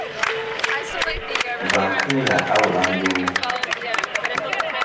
Và kɨŋ ghà a wul à ndo ?